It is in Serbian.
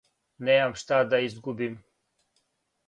Немам шта да изгубим.